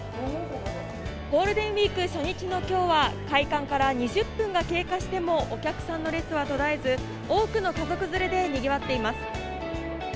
ゴールデンウイーク初日の今日は、開館から２０分が経過しても、お客さんの列は途絶えず、多くの家族連れでにぎわっています。